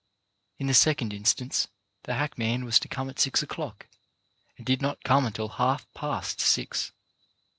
In the second in stance the hackman was to come at six o'clock, and did not come until half past six.